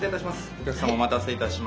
お客さまお待たせいたしました。